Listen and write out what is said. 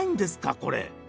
これ。